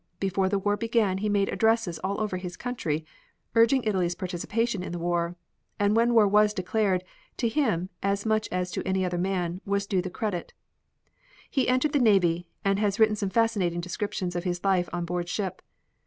Before the war began he made addresses all over his country, urging Italy's participation in the war, and when war was declared, to him, as much as to any other man, was due the credit. He entered the navy, and has written some fascinating descriptions of his life on board ship.